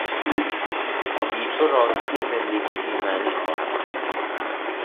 بی تو راستی زندگی بیمعنی خواهد بود.